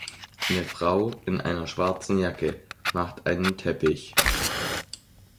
Eine Frau in einer schwarzen Jacke macht einen Teppich.